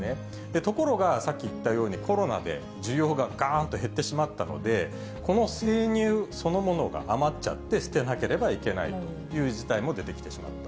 ところがさっき言ったように、コロナで需要ががーんと減ってしまったので、この生乳そのものが余っちゃって、捨てなければいけないという事態も出てきてしまった。